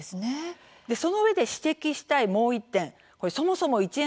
そのうえで指摘したい、もう１点そもそも１円